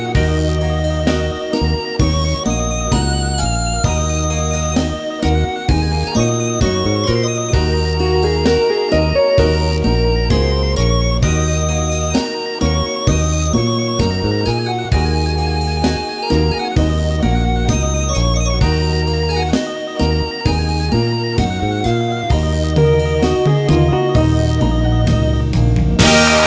มูลค่าสองหมื่นบาทถ้าพร้อมอินโทรเพลงที่สองมาเลยครับ